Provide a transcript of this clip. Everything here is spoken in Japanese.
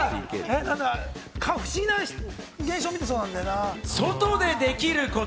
不思議な現象を見てそうなんだよな。